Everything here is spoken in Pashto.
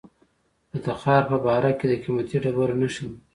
د تخار په بهارک کې د قیمتي ډبرو نښې دي.